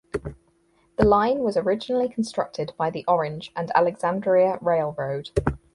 The line was originally constructed by the Orange and Alexandria Railroad.